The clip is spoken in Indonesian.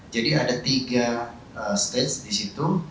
ada tiga stage di situ